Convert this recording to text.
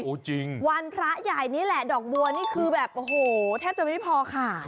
โอ้โหจริงวันพระใหญ่นี่แหละดอกบัวนี่คือแบบโอ้โหแทบจะไม่พอค่ะ